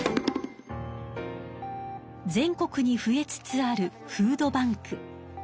全国に増えつつあるフードバンク。